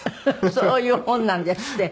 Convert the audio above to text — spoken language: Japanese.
そういう本なんですって。